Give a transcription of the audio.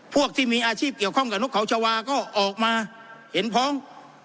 พวกที่มีอาชีพเกี่ยวข้องกับนกเขาชาวาก็ออกมาเห็นพ้อง